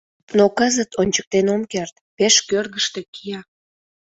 Но кызыт ончыктен ом керт, пеш кӧргыштӧ кия.